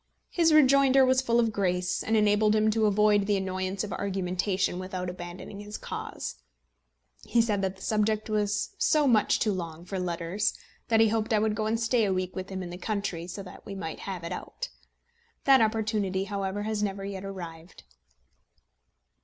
His rejoinder was full of grace, and enabled him to avoid the annoyance of argumentation without abandoning his cause. He said that the subject was so much too long for letters; that he hoped I would go and stay a week with him in the country, so that we might have it out. That opportunity, however, has never yet arrived.